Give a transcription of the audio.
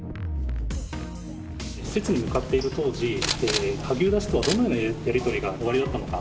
施設に向かっている当時、萩生田氏とはどのようなやり取りがおありだったのか。